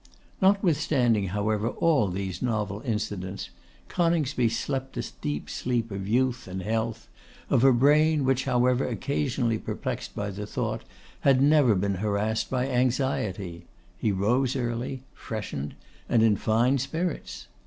Notwithstanding, however, all these novel incidents, Coningsby slept the deep sleep of youth and health, of a brain which, however occasionally perplexed by thought, had never been harassed by anxiety. He rose early, freshened, and in fine spirits.